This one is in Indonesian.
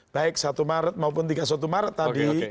baik satu maret maupun tiga puluh satu maret tadi